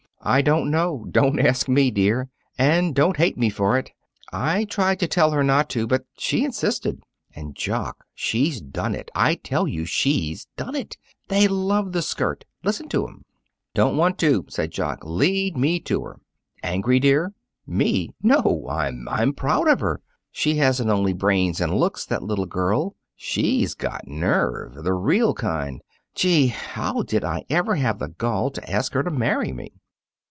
"I don't know. Don't ask me, dear. And don't hate me for it. I tried to tell her not to, but she insisted. And, Jock, she's done it, I tell you! She's done it! They love the skirt! Listen to 'em!" "Don't want to," said Jock. "Lead me to her." "Angry, dear!" "Me? No! I'm I'm proud of her! She hasn't only brains and looks, that little girl; she's got nerve the real kind! Gee, how did I ever have the gall to ask her to marry me!"